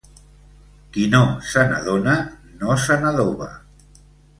Qui no se n'adona no se n'adoba.